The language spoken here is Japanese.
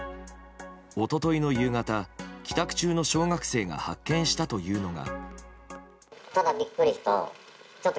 一昨日の夕方、帰宅中の小学生が発見したというのが。